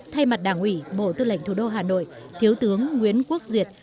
thay mặt đảng ủy bộ tư lệnh thủ đô hà nội thiếu tướng nguyễn quốc duyệt